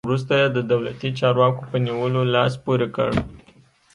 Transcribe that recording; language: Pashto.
خو وروسته یې د دولتي چارواکو په نیولو لاس پورې کړ.